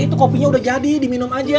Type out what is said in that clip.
itu kopinya udah jadi diminum aja